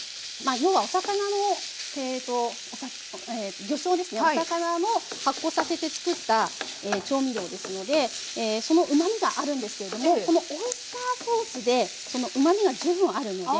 お魚の発酵させて造った調味料ですのでそのうまみがあるんですけれどもこのオイスターソースでそのうまみが十分あるので。